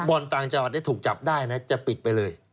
บ่อนต่างจังหวัดได้ถูกจับได้นะจะปิดไปเลย